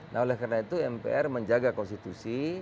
nah oleh karena itu mpr menjaga konstitusi